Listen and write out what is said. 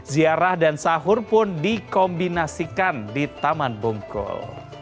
ziarah dan sahur pun dikombinasikan di taman bungkul